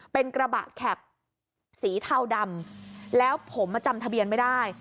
เป็นกระบะแข็บสีเทาดำแล้วผมมาจำทะเบียนไม่ได้